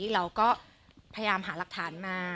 เราก็พยายามหาหลักฐานมา